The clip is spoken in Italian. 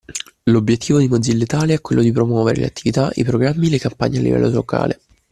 L'obiettivo di Mozilla Italia è quello di promuovere le attività, i programmi, le campagne a livello locale.